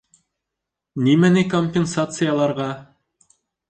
Нимәне компенсацияларға?